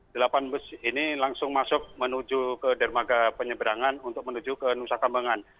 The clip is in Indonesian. delapan bus ini langsung masuk menuju ke dermaga penyeberangan untuk menuju ke nusa kambangan